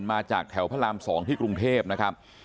มาจากแถวพระราม๒ที่กรุงเทพนะครับ